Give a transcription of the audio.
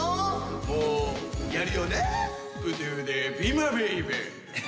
もうやるよね